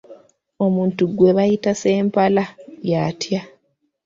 Omuntu gwe bayita Ssempala y'atya?